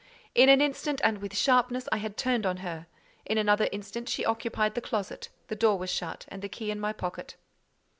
In an instant, and with sharpness, I had turned on her. In another instant she occupied the closet, the door was shut, and the key in my pocket.